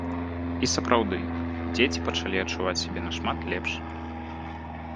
І сапраўды, дзеці пачалі адчуваць сябе нашмат лепш.